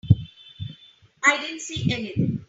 I didn't see anything.